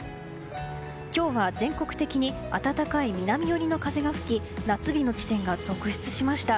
今日は全国的に暖かい南寄りの風が吹き夏日の地点が続出しました。